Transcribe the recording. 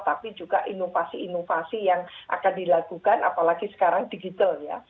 tapi juga inovasi inovasi yang akan dilakukan apalagi sekarang digital ya